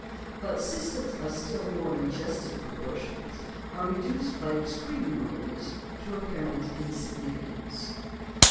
But systems of still more majestic proportions are reduced by extreme remoteness to apparent insignificance.